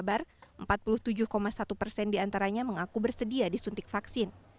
empat puluh tujuh satu persen diantaranya mengaku bersedia disuntik vaksin